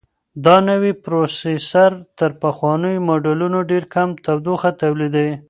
دا نوی پروسیسر تر پخوانیو ماډلونو ډېر کم تودوخه تولیدوي.